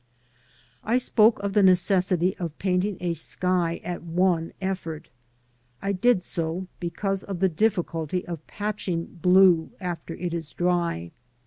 I spoke of the necessity of painting a sky at one effort. I did so because of the difficulty of patching blue after it is dry.